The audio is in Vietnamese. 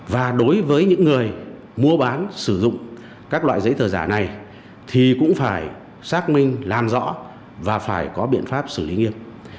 và đối với những người mua bán sử dụng các loại giấy tờ giả này thì cũng phải xác minh làm rõ và phải có biện pháp xử lý nghiêm